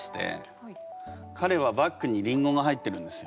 彼はバッグにりんごが入ってるんですよ。